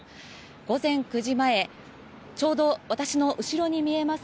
午前９時前ちょうど私の後ろに見えます